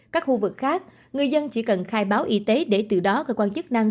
các khu vực khác người dân chỉ cần khai báo y tế để từ đó cơ quan chức năng